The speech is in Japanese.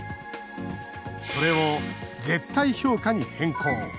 それを絶対評価に変更。